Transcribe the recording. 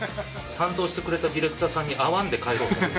担当してくれたディレクターさんに会わんで帰ろうと。